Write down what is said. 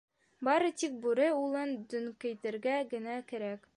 Бары тик бүре улын дөңкәйтергә генә кәрәк.